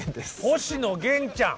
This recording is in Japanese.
星野源ちゃん。